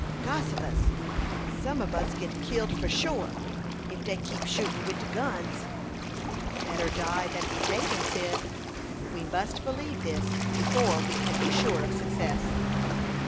"Gossifus! Some ob us git killed for shore, if dey keep shooten wid de guns." "Better die than be taken, Cyd. We must believe this before we can be sure of success."